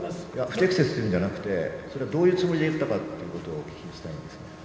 不適切というのではなくて、それは、どういうつもりで言ったかということをお聞きしたいんですが。